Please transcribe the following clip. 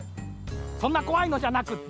そんなこわいのじゃなくって。